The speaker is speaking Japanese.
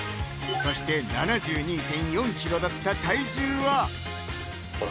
そして７２．４ｋｇだった体重はさあ